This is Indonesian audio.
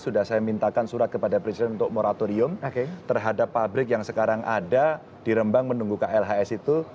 sudah saya mintakan surat kepada presiden untuk moratorium terhadap pabrik yang sekarang ada di rembang menunggu klhs itu